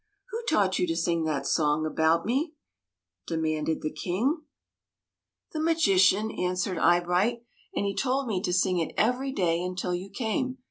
" Who taught you to sing that song about me?" demanded the King. 28 THE MAGICIAN'S TEA PARTY " The magician," answered Eyebright ;" and he told me to sing it every day until you came.